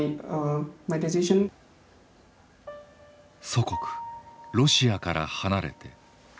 祖国ロシアから離れて。